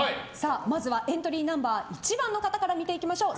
まずはエントリーナンバー１番の方から見ていきましょう。